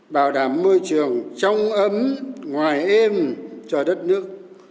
bảo đảm môi trường trong ấm ngoài êm cho đất nước